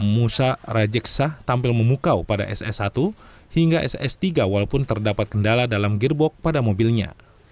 musa rajeksah tampil memukau pada ss satu hingga ss tiga walaupun terdapat kendala dalam gearbox pada mobilnya